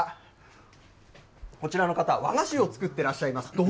さらに、こちら、こちらの方、和菓子を作ってらっしゃいます。